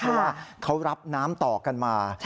เพราะว่าเขารับน้ำต่อกันมา